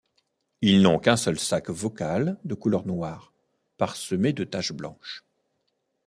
Ils n'ont qu'un seul sac vocal de couleur noire parsemé de taches blanches.